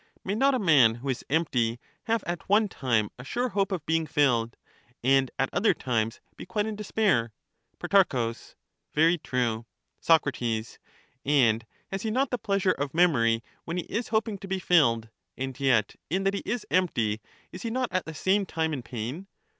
May not a man who is empty have at one time a sure hope of being filled, and at other times be quite in despair ? Pro. Very true. Soc. And has he not the pleasure of memory when he is hoping to be filled, and yet in that he is empty is he not at the same time in pain